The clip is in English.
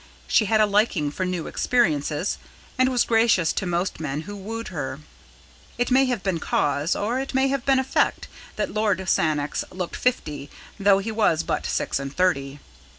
She had a liking for new experiences, and was gracious to most men who wooed her. It may have been cause or it may have been effect that Lord Sannox looked fifty, though he was but six and thirty.